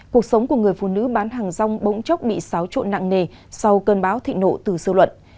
cuộc sống của người phụ nữ bán hàng rong bỗng chốc bị xáo trộn nặng nề sau cơn bão thịnh nộ từ sư luận